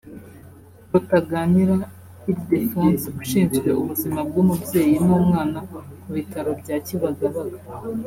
Rutaganira Ildephonse ushinzwe ubuzima bw’umubyeyi n’umwana ku bitaro bya Kibagabaga